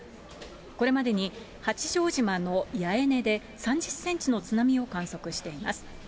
これまでに八丈島の八重根で３０センチの津波を観測しています。